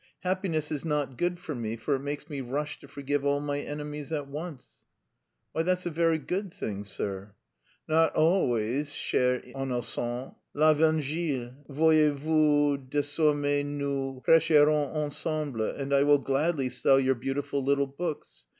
Happiness is not good for me for it makes me rush to forgive all my enemies at once...." "Why, that's a very good thing, sir." "Not always, chère innocente. L'Evangile... voyez vous, désormais nous prêcherons ensemble and I will gladly sell your beautiful little books.